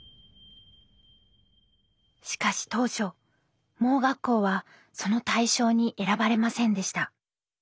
しかし当初盲学校はその対象に選ばれませんでした。